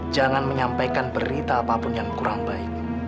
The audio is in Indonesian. jangan menyampaikan berita apapun yang kurang baik